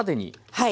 はい。